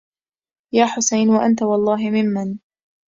يا حسين وأنت والله ممن